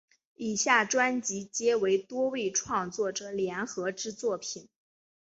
以下专辑皆为多位创作者联合之作品。